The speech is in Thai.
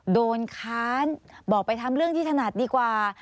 ค้านบอกไปทำเรื่องที่ถนัดดีกว่า